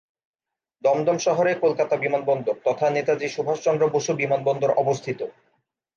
দমদম শহরে কলকাতা বিমানবন্দর তথা নেতাজী সুভাষচন্দ্র বসু বিমানবন্দর অবস্থিত।